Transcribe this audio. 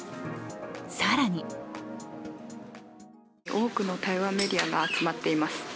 更に多くの台湾メディアが集まっています。